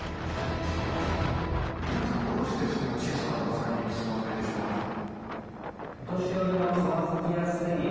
皆さんどうしてそんな小さな段差につまずいてしまうんですか？